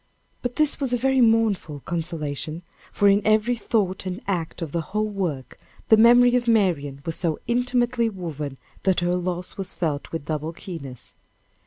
But this was a very mournful consolation, for in every thought and act of the whole work, the memory of Marian was so intimately woven, that her loss was felt with double keenness.